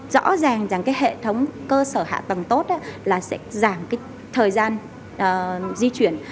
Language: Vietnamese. rõ ràng rằng cái hệ thống cơ sở hạ tầng tốt là sẽ giảm cái thời gian di chuyển